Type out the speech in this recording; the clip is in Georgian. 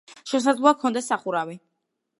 შესაძლოა, ჰქონდეს სახურავი.